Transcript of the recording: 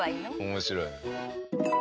面白いね。